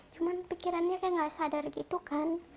cuman pikirannya kayak gak sadar gitu kan